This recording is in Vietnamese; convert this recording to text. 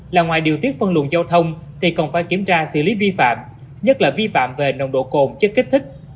là ngoài điều tiết phân luận giao thông thì còn phải kiểm tra xử lý vi phạm nhất là vi phạm về nồng độ cồn chất kích thích